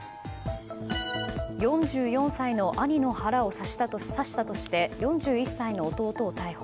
４４歳の兄の腹を刺したとして４１歳の弟を逮捕。